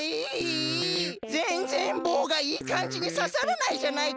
ぜんぜんぼうがいいかんじにささらないじゃないか！